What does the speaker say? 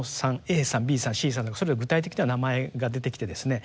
ＢさんＣさんとかそれを具体的な名前が出てきてですね